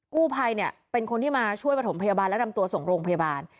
กู้ภัยเนี่ยเป็นคนที่มาช่วยประถมพยาบาลและนำตัวส่งโรงพยาบาล